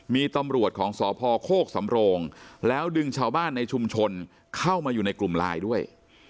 มีตำรวจของสพโคกสำโรงแล้วดึงชาวบ้านในชุมชนเข้ามาอยู่ในกลุ่มไลน์ด้วย